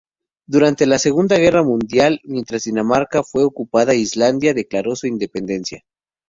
Durante la Segunda Guerra Mundial, mientras Dinamarca fue ocupada, Islandia declaró su independencia.